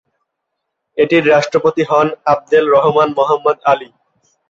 এটির রাষ্ট্রপতি হন আবদেল-রহমান মোহাম্মদ আলি।